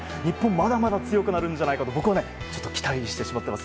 まだまだ強くなるんじゃないかと期待してしまっています。